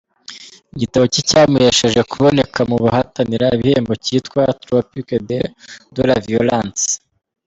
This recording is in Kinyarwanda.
Igitabo cye cyamuhesheje kuboneka mu bahatanira ibihembo cyitwa “Tropique de la violence”.